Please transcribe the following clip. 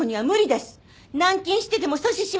軟禁してでも阻止します！